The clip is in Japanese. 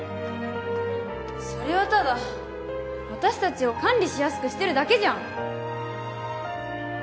それはただ私達を管理しやすくしてるだけじゃん！